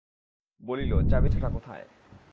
বলিল, চাবির গোছাটা কোথায়।